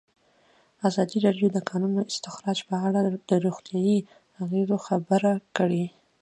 ازادي راډیو د د کانونو استخراج په اړه د روغتیایي اغېزو خبره کړې.